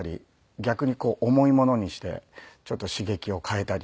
逆にこう重いものにしてちょっと刺激を変えたりとか。